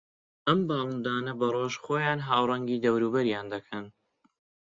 ئەم باڵندانە بە ڕۆژ خۆیان ھاوڕەنگی دەوروبەریان دەکەن